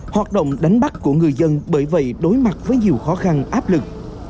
hoạt động đánh bắt của người dân bởi vậy đối mặt với nhiều khó khăn áp lực